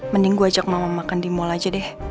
mending gue ajak mama makan di mall aja deh